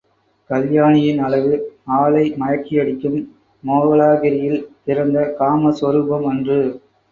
கல்யாணியின் அழகு, ஆளை மயக்கியடிக்கும் மோகலாகிரியில் பிறந்த காம சொரூபம் அன்று.